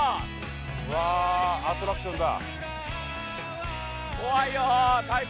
わぁアトラクションだ。